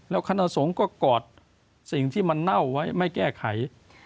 แล้วคณะสงฆ์ก็กอดสิ่งที่มันเน่าไว้ไม่แก้ไข